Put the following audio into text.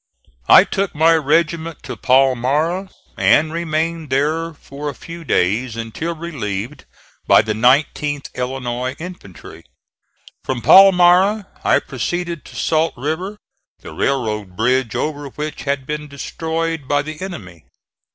I took my regiment to Palmyra and remained there for a few days, until relieved by the 19th Illinois infantry. From Palmyra I proceeded to Salt River, the railroad bridge over which had been destroyed by the enemy.